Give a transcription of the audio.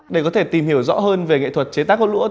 để có thể tìm hiểu rõ hơn về nghệ thuật chế tác gỗ lũa